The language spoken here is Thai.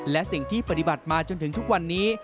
และสิ่งที่ปฏิบัติมาจนถึงทุกวันนี้